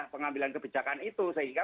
pengambilan kebijakan itu sehingga